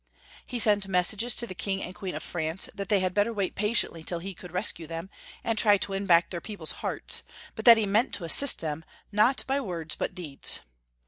He sent messages to the King and Queen of France that they had better wait patiently till he could rescue them, and try to win back their people's hearts, but that he meant to assist them not by Leopold II. 427 words but deeds.